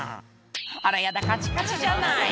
「あらヤダカチカチじゃない」